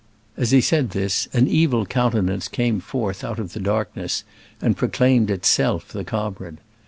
As he said this an evil countenance came forth out of the darkness and proclaimed itself the comrade.